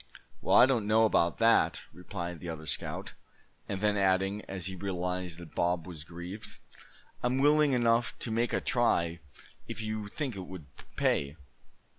"Well, I don't know about that," replied the other scout; and then adding, as he realized that Bob was grieved: "I'm willing enough to make a try, if you think it would pay.